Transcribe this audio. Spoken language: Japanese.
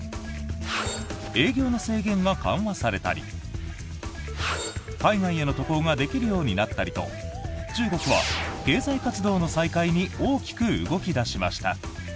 営業の制限が緩和されたり海外への渡航ができるようになったりと中国は経済活動の再開に大きく動き出しました。